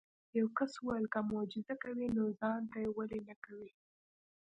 یو کس وویل که معجزه کوي نو ځان ته یې ولې نه کوې.